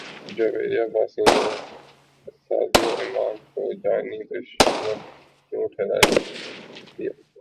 جویریہ عباسی نے سعدیہ امام کو جانی دشمن کیوں ٹھہرا دیا